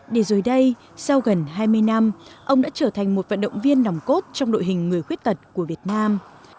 để rồi đây sau gần hai mươi năm ông đã trở thành một vận động viên nòng cốt trong đội hình người khuyết tật của việt nam